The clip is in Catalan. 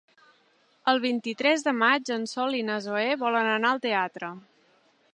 El vint-i-tres de maig en Sol i na Zoè volen anar al teatre.